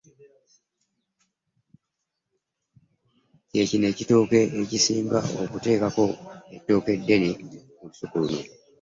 Kye kino ekitooke ekisinga okuteekako etooke eddene mu lusuku luno.